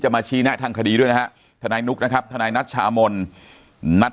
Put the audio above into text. มาชี้แนะทางคดีด้วยนะฮะทนายนุ๊กนะครับทนายนัชชามนนัด